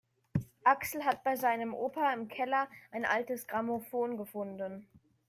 Axel hat bei seinem Opa im Keller ein altes Grammophon gefunden.